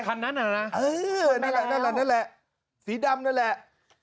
คันนั้นเหรอนะเอ่อเนี้ยหรอกนั้นแหละสีดำนั่นแหละ